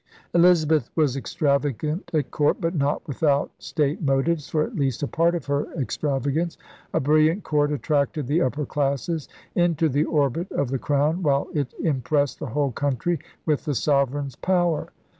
Elizabeth was extravagant at court; but not without state motives for at least a part of her extravagance. A brilliant court attracted the upper classes into the orbit of the Crown while it impressed the whole country with the sovereign's power.